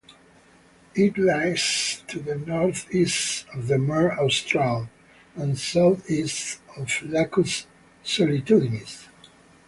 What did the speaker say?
It lies to the northeast of the Mare Australe, and southeast of Lacus Solitudinis.